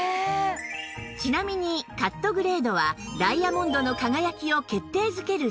ちなみにカットグレードはダイヤモンドの輝きを決定づける